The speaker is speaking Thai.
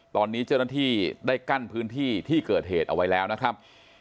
ตอนนี้เจ้าหน้าที่ได้กั้นพื้นที่ที่เกิดเหตุเอาไว้แล้วนะครับ